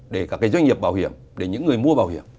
để các doanh nghiệp bảo hiểm để những người mua bảo hiểm